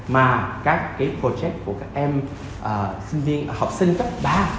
mà các cái project của các em sinh viên học sinh cấp ba